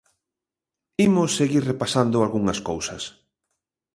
Imos seguir repasando algunhas cousas.